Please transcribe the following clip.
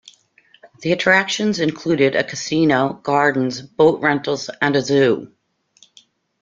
The attractions included a casino, gardens, boat rentals and a zoo.